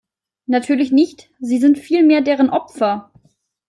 Natürlich nicht, sie sind vielmehr deren Opfer.